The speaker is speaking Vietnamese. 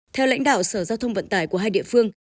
theo lãnh đạo sở giao thông vận tải của hai địa phương